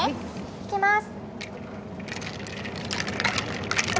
いきます。